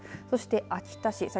そして秋田市